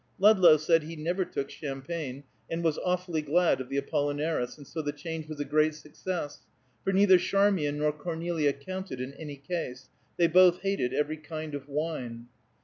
Ludlow said he never took champagne, and was awfully glad of the Apollinaris, and so the change was a great success, for neither Charmian nor Cornelia counted, in any case; they both hated every kind of wine.